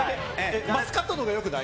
マスカットのほうがよくない？